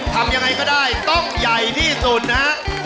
ทำยังไงก็ได้ต้องใหญ่ที่สุดนะฮะ